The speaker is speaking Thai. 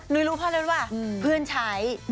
นุ้ยรู้เพราะอะไรหรือเปล่าว่าเพื่อนใช้